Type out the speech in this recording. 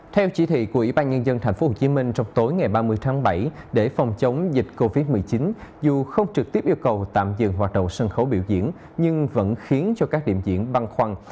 theo chỉ thị của ubnd tp hcm trong tối ngày ba mươi tháng bảy để phòng chống dịch covid một mươi chín dù không trực tiếp yêu cầu tạm dừng hoạt động sân khấu biểu diễn nhưng vẫn khiến cho các điểm diễn băng khoăn